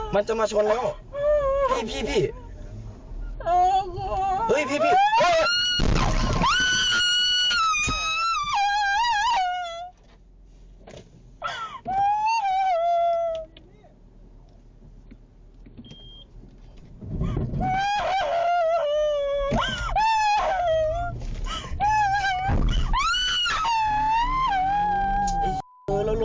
มันจะมาชนแล้ว